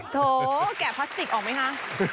โทษแกะพลาสติกออกมั้ยคะ